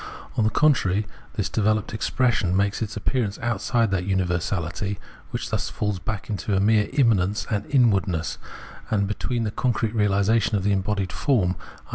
On the contrary, this developed expression makes its appearance outside that universality, which thus falls back into mere immanence and inwardness ; and between the concrete reahsation, the embodied form, i.